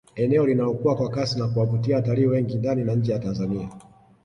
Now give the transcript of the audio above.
Eneo linalokua kwa kasi na kuwavutia watalii wengi ndani na nje ya Tanzania